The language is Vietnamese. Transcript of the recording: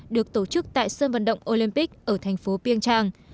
được tổ chức tại sân vận động olympic ở thành phố piêng trang